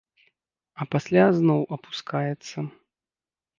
А пасля зноў апускаецца.